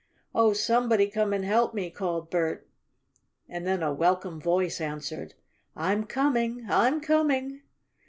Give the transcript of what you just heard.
"Oh, somebody come and help me!" called Bert. And then a welcome voice answered: "I'm coming! I'm coming!"